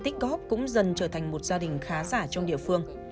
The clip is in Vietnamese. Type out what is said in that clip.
cặp vợ chồng kim và thành cũng dần trở thành một gia đình khá giả trong địa phương